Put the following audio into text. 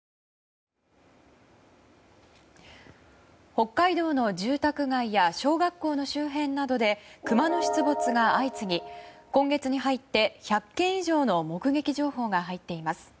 北海道の住宅街や小学校の周辺などでクマの出没が相次ぎ今月に入って１００件以上の目撃情報が入っています。